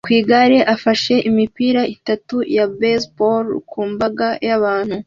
ku igare afashe imipira itatu ya baseball ku mbaga y'abantu